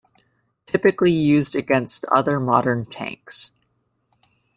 Typically used against other modern tanks.